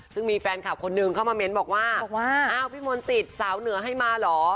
ซึ่งมีแฟนคลับคนหนึ่งเข้ามาเม้นบอกว่าอ้าวพี่มนต์ติดสาวเหนือให้มาเหรอ